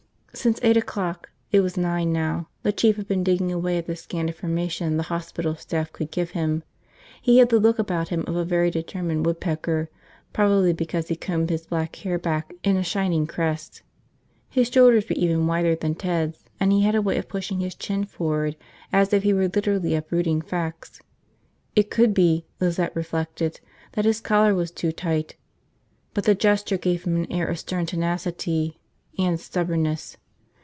Since eight o'clock – it was nine now – the Chief had been digging away at the scant information the hospital staff could give him. He had the look about him of a very determined woodpecker, probably because he combed his black hair back in a shining crest. His shoulders were even wider than Ted's and he had a way of pushing his chin forward as if he were literally uprooting facts. It could be, Lizette reflected, that his collar was too tight; but the gesture gave him an air of stern tenacity. And stubbornness.